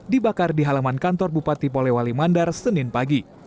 dibakar di halaman kantor bupati polewali mandar senin pagi